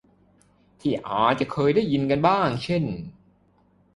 ที่อาจะเคยได้ยินกันบ้างเช่น